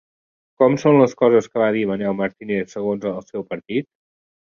Com són les coses que va dir Manel Martínez segons el seu partit?